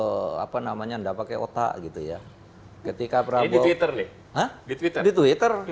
dasar profesor apa namanya enggak pakai otak gitu ya ketika berada di twitter di twitter di twitter